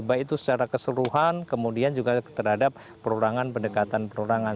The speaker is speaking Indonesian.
baik itu secara keseluruhan kemudian juga terhadap perorangan pendekatan perorangan